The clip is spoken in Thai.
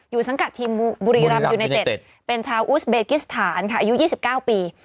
สังกัดทีมบุรีรำยูไนเต็ดเป็นชาวอุสเบกิสถานค่ะอายุ๒๙ปี